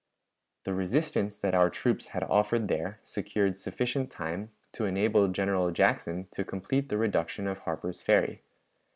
The resistance that our troops had offered there secured sufficient time to enable General Jackson to complete the reduction of Harper's Ferry.